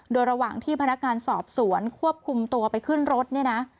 โดยระหว่างที่พนักงานสอบสวนควบคุมตัวไปขึ้นรถเนี่ยนะ